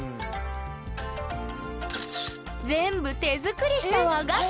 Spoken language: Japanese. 全部手作りした和菓子！